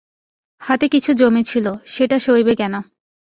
হাতে কিছু জমেছিল, সেটা সইবে কেন!